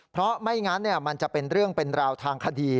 เพราะไม่งั้นมันจะเป็นเรื่องเป็นราวทางคดี